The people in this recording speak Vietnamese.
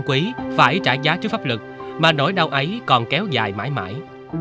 quý không nói được gì